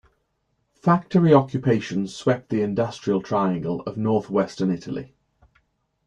Factory occupations swept the "industrial triangle" of north-western Italy.